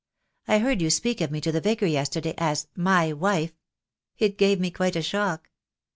I heard you speak of me to the Vicar yesterday as 'my wife.' It gave me quite a shock."